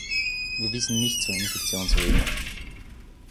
Wir wissen nichts von Infektionswegen.